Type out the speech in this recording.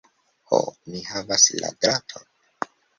Ho, mi havas la draton!